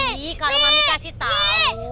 mami kalau mami kasih tau